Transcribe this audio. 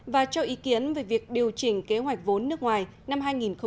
và cho ý kiến về việc điều chỉnh kế hoạch vốn nước ngoài năm hai nghìn một mươi sáu